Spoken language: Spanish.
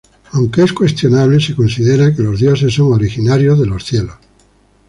Aunque es cuestionable, se considera que los Dioses son originarios de los Cielos.